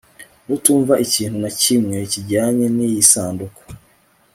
Utumva ikintu na kimwe kijyanye niyi sanduku